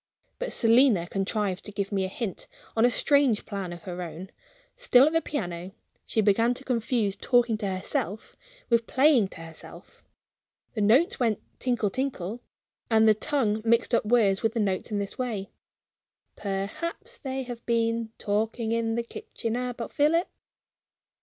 But Selina contrived to give me a hint, on a strange plan of her own. Still at the piano, she began to confuse talking to herself with playing to herself. The notes went tinkle, tinkle and the tongue mixed up words with the notes in this way: "Perhaps they have been talking in the kitchen about Philip?"